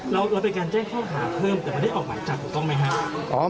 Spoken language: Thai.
แล้วเป็นการแจ้งข้อหาเพิ่มแต่มันได้ออกมาจากหรือเปล่าครับ